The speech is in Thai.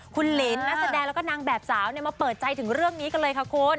คุณลินนักแสดงแล้วก็นางแบบสาวมาเปิดใจถึงเรื่องนี้กันเลยค่ะคุณ